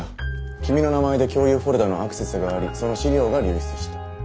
君の名前で共有フォルダーのアクセスがありその資料が流出した。